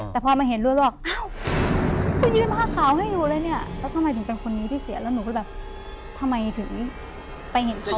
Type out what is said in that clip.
แล้วทำไมถึงเป็นคนนี้ที่เสียแล้วหนูก็แบบทำไมถึงไปเห็นเขาบ่อย